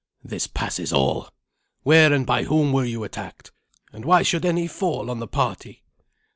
"This passes all. Where and by whom were you attacked? and why should any fall on the party?"